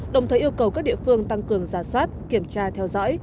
đồng thời yêu cầu các địa phương tăng cường giả soát kiểm tra theo dõi